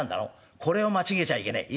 これを間違えちゃいけねえいいか？